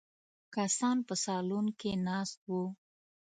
کسان په سالون کې ناست وو.